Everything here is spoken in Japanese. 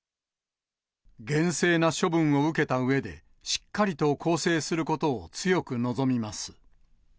厳正な処分を受けたうえで、しっかりと更生することを強く望みます。